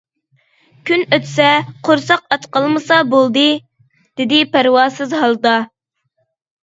كۈن ئۆتسە، قورساق ئاچ قالمىسا بولدى، -دېدى پەرۋاسىز ھالدا.